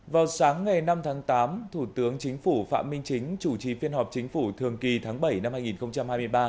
vào sáng ngày năm tháng tám thủ tướng chính phủ phạm minh chính chủ trì phiên họp chính phủ thường kỳ tháng bảy năm hai nghìn hai mươi ba